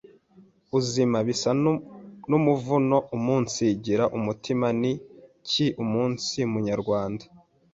uzima, bisa n’umuvumo Umunsigira umutima ni iki umunsi munyarwanda?